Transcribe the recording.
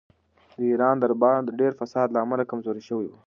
د ایران دربار د ډېر فساد له امله کمزوری شوی و.